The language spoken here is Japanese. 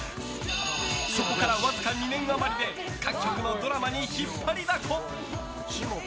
そこからわずか２年余りで各局のドラマに引っ張りだこ。